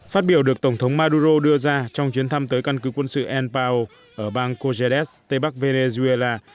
phát biểu được tổng thống maduro đưa ra trong chuyến thăm tới căn cứ quân sự el pao ở bang cogendes tây bắc venezuela